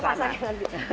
oke masaknya nanti